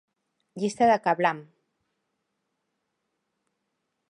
Llista de KaBlam!